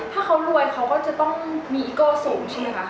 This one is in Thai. ถ้าเขารวยเขาก็จะต้องมีอิโก้สูงใช่ไหมคะ